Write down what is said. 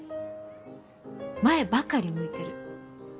前ばかり向いてる。